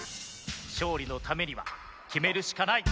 勝利のためには決めるしかない。